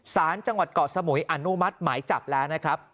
สารจังหวัดเกาะสมุยอนุมัติหมายจับแล้วนะครับ